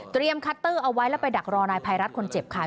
คัตเตอร์เอาไว้แล้วไปดักรอนายภัยรัฐคนเจ็บค่ะ